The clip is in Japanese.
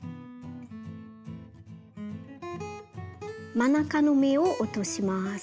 真ん中の目を落とします。